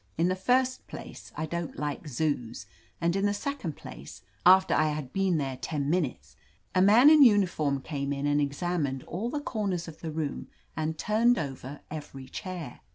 In the first place, I don't like Zoos, and in the second place, after I had been there ten minutes, a man in uniform came in and examined all the corners of the room and turned over every chair.